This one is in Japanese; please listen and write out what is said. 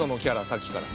さっきから。